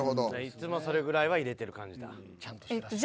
いつもそれぐらいは入れてる感じだ。